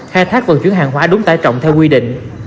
khai thác vận chuyển hàng hóa đúng tải trọng theo quy định